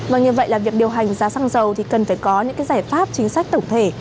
vâng như vậy là việc điều hành giá xăng dầu thì cần phải có những cái giải pháp chính sách tổng thể